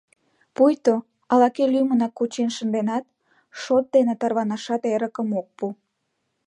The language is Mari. Пуйто ала-кӧ лӱмынак кучен шынденат, шот дене тарванашат эрыкым ок пу.